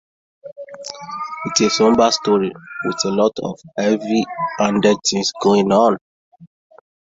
It's a somber story, with a lot of heavy-handed things going on.